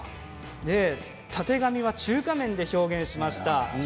たてがみは中華麺で表現しました。